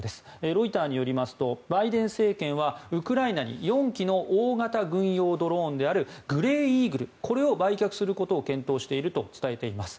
ロイターによりますとバイデン政権はウクライナに４機の大型軍用ドローンであるグレーイーグル、これを売却することを検討していると伝えています。